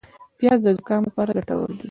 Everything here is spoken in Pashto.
پیاز د زکام لپاره ګټور دي